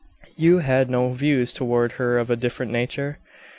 "You had no views toward her of a different nature?"